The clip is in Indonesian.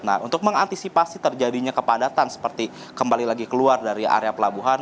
nah untuk mengantisipasi terjadinya kepadatan seperti kembali lagi keluar dari area pelabuhan